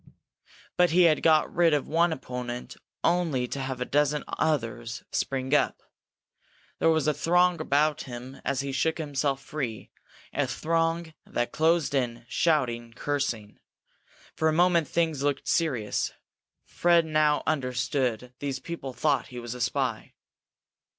But he had got rid of one opponent only to have a dozen others spring up. There was a throng about him as he shook himself free, a throng that closed in, shouting, cursing. For a moment things looked serious. Fred now understood these people thought he was a spy.